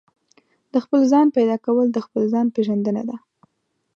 د خپل ځان پيدا کول د خپل ځان پېژندنه ده.